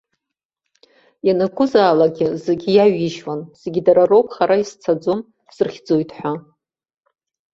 Ианакәызаалак зегьы иаҩижьуан, зегьы дара роуп, хара изцаӡом, срыхьӡоит ҳәа.